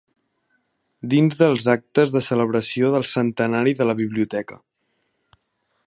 Dins dels actes de Celebració del Centenari de la Biblioteca.